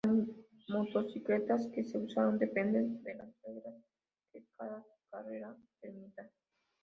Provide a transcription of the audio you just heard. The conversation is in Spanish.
Las motocicletas que se usan dependen de las reglas que cada carrera permita.